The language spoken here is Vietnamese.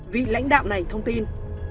vị lãnh đạo này thông tin